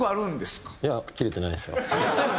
いやキレてないですよ。